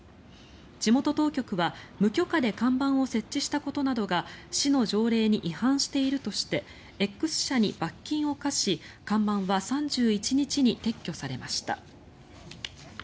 地元当局は、無許可で看板を設置したことなどが市の条例に違反しているとしてＸ社に罰金を科し看板は３１日に撤去されました。